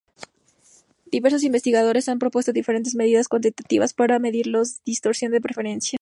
Diversos investigadores han propuesto diferentes medidas cuantitativas para medir la distorsión de preferencias.